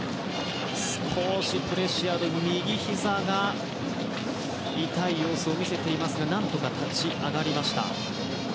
少しプレシアードは右ひざが痛い様子を見せていますが何とか立ち上がりました。